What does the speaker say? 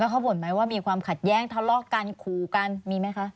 เขาบ่นไหมว่ามีความขัดแย้งทะเลาะกันขู่กันมีไหมคะ